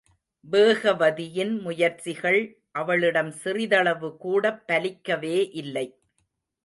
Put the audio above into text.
வேகவதியின் முயற்சிகள் அவளிடம் சிறிதளவுகூடப் பலிக்கவே இல்லை.